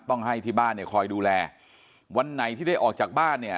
ต้องให้ที่บ้านคอยดูแลวันไหนที่ได้ออกจากบ้าน